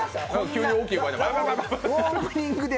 急に大きい声で。